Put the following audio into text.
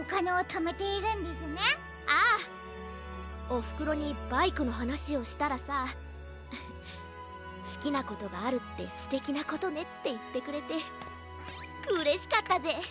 おふくろにバイクのはなしをしたらさ「すきなことがあるってすてきなことね」っていってくれてうれしかったぜ。